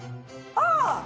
ああ！